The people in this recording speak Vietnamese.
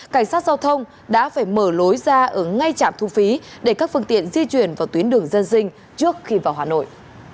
cảnh sát giao thông đã phải mở lối ra ở ngay trạm thu phí để các phương tiện di chuyển vào tuyến đường dân sinh trước khi vào hà nội